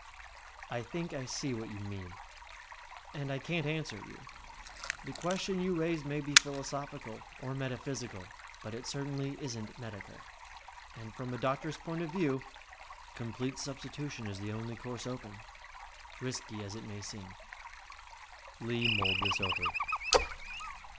"I think I see what you mean. And I can't answer you. The question you raise may be philosophical, or metaphysical, but it certainly isn't medical. And from a doctor's point of view complete substitution is the only course open, risky as it may seem." Lee mulled this over.